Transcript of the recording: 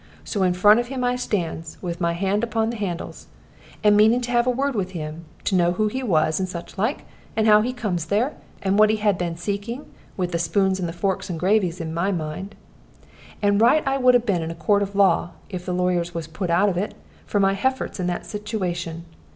So in front of him I stands, with my hand upon the handles, and meaning to have a word with him, to know who he was, and such like, and how he comes there, and what he had been seeking, with the spoons and the forks and the gravies on my mind. And right I would have been in a court of law (if the lawyers was put out of it) for my hefforts in that situation.